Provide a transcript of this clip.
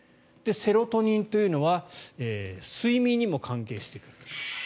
セロトニンというのは睡眠にも関係してくる。